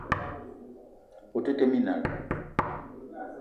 O te tee minal.